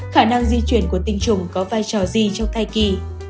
khả năng di chuyển của tinh trùng có vai trò gì trong thai kỳ